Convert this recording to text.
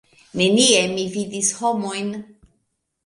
Nenie mi vidis homojn.